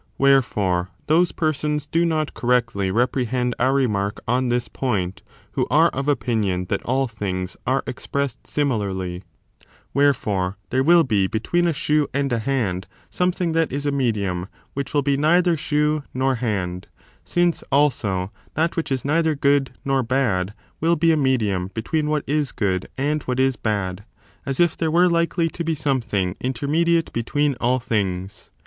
Wherefore, those persons do not correctly 3. Repels the reprehend our remark on this point who are of jgd^b' hS*'^' opinion that all things are expressed similarly:^ count of twa wherefore, there will be between a shoe and a ^pp®^*'^^^ hand something that is a medium which will be neither shoe nor hand ; since, also, that which is neither good nor bad will be a medium between what is good and what is bad ; as if there were likely to be something intermediate between all things.